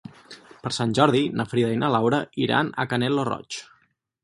Per Sant Jordi na Frida i na Laura iran a Canet lo Roig.